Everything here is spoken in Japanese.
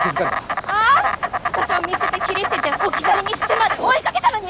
私を見捨てて切り捨てて置き去りにしてまで追いかけたのに！？